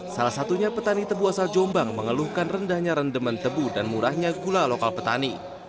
salah satunya petani tebu asal jombang mengeluhkan rendahnya rendeman tebu dan murahnya gula lokal petani